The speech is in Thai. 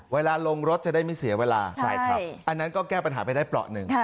เวลาลงรถจะได้ไม่เสียเวลาอันนั้นก็แก้ปัญหาไปได้เปราะหนึ่ง